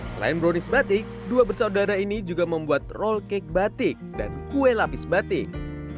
selain brownies batik dua bersaudara ini juga membuat roll cake batik dan kue lapis batik